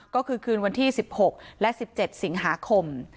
ก็คือคืนวันที่๑๖และ๑๗สิงหาคม